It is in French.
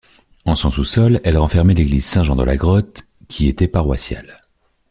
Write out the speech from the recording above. En son sous-sol, elle renfermait l'Église Saint-Jean-de-la-Grotte, qui était paroissiale.